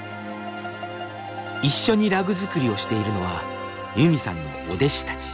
一緒にラグ作りをしているのはユミさんのお弟子たち。